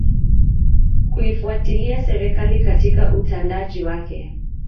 kuifuatilia serikali katika utendaji wake